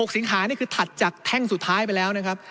สิงหานี่คือถัดจากแท่งสุดท้ายไปแล้วนะครับ